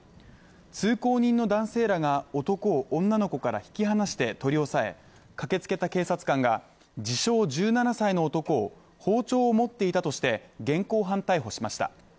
通行人の男性らが男を女の子から引き離して取り押さえ、駆けつけた警察官が自称１７歳の男を包丁を持っていたとして現行犯逮捕しました。